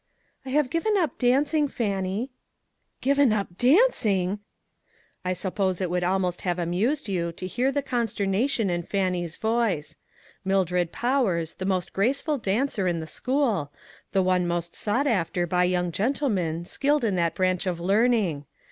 " I have given up dancing, Fannie. "" Given up dancing !" I suppose it would almost have amused you to hear the consternation in Fannie's voice. Mildred ENGAGEMENTS. 251 Powers, the most graceful dancer in the school, the one most sought after by young gentleman skilled in that branch of learn ing!